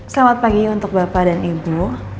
selamat pagi untuk bapak dan ibu